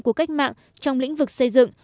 của cách mạng trong lĩnh vực xây dựng